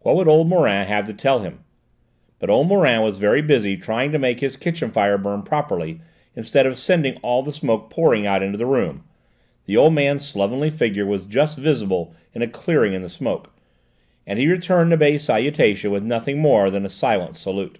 What would old Morin have to tell him? But old Morin was very busy trying to make his kitchen fire burn properly instead of sending all the smoke pouring out into the room; the old man's slovenly figure was just visible in a clearing in the smoke, and he returned Nibet's salutation with nothing more than a silent salute.